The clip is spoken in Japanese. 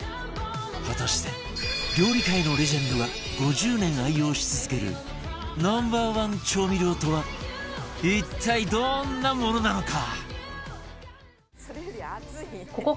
果たして料理界のレジェンドが５０年愛用し続ける Ｎｏ．１ 調味料とは一体どんなものなのか？